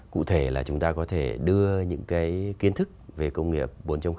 cụ thể là chúng ta có thể đưa những cái kiến thức về công nghiệp bốn